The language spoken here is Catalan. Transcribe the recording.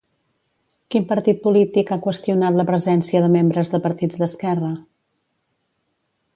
Quin partit polític ha qüestionat la presència de membres de partits d'esquerra?